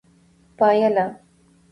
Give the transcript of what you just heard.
پايله